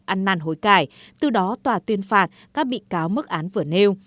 ăn năn hối cải từ đó tòa tuyên phạt các bị cáo mức án vừa nêu